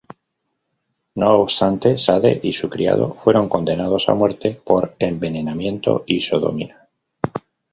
No obstante, Sade y su criado fueron condenados a muerte por envenenamiento y sodomía.